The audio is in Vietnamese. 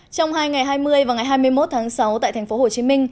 trong hai ngày hai mươi và ngày hai mươi một tháng sáu tại tp hcm